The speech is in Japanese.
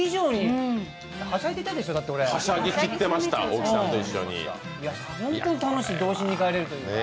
ほんとに楽しい、童心に帰れるというか。